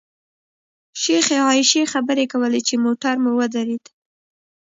شیخې عایشې خبرې کولې چې موټر مو ودرېد.